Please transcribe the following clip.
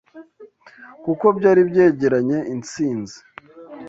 kuko byari byegeranye insinzi